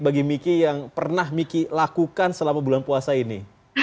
bagi miki yang pernah miki lakukan selama bulan puasa ini